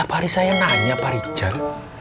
tiap hari saya nanya pak rijal